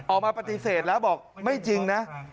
ออกมาปฏิเสธแล้วบอกไม่จริงนะ